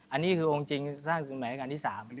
อันนี้คือองค์จริงสร้างหมายราชการที่๓